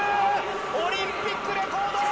オリンピックレコード！